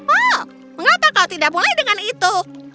oh mengapa kau tidak mulai dengan itu